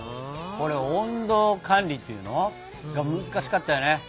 これ温度管理っていうの？が難しかったよね。